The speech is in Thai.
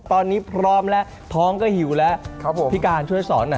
ตอนนี้พร้อมแล้วท้องก็หิวแล้ว